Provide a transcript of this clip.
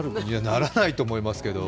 ならないと思いますけれども。